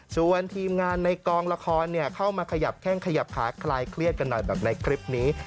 ส่วนทีมงานในกองละครเข้ามาขยับแข้งขยับขาคลายเครียดกันหน่อยแบบในคลิปนี้